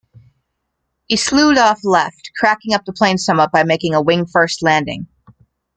He slewed off left, cracking up the plane somewhat by making a wing-first landing.